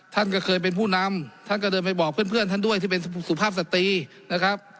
ท่านก็เคยเป็นผู้นำท่านก็เดินไปบอกเพื่อนท่านด้วยที่เป็นสุภาพสตรีนะครับ